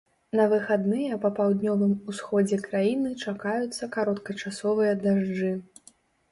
На выхадныя па паўднёвым усходзе краіны чакаюцца кароткачасовыя дажджы.